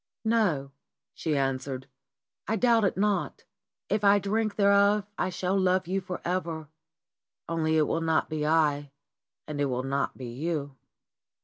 "No," she answered, "I doubt it not. If I drink thereof I shall love you for ever, only it will not be I, and it will not be you."